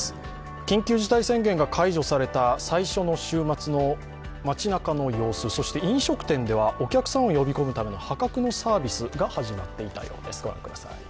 緊急事態宣言が解除された最初の週末の街なかの様子、そして飲食店ではお客さんを呼び込むための破格なサービスが始まったようです。